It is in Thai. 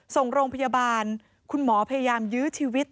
ส่งโรงพยาบาลคุณหมอพยายามยื้อชีวิต